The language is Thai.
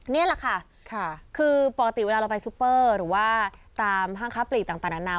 นี่แหละค่ะคือปกติเวลาเราไปซุปเปอร์หรือว่าตามห้างค้าปลีกต่างนานา